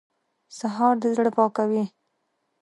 سهار د زړه پاکوي.